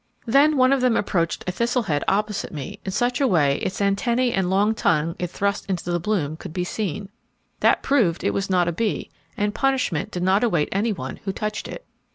Then one of them approached a thistle head opposite me in such a way its antennae and the long tongue it thrust into the bloom could be seen. That proved it was not a bee, and punishment did not await any one who touched it.